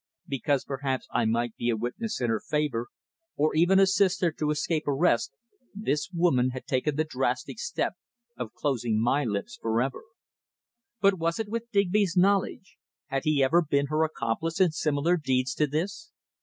Because, perhaps, I might be a witness in her favour, or even assist her to escape arrest, this woman had taken the drastic step of closing my lips for ever. But was it with Digby's knowledge? Had he ever been her accomplice in similar deeds to this?